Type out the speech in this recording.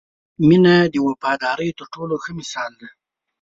• مینه د وفادارۍ تر ټولو ښه مثال دی.